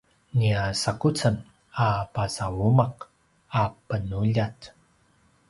nia sakucen a pasauma’ a penuljat